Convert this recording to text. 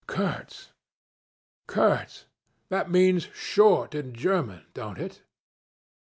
Kurtz Kurtz that means short in German don't it?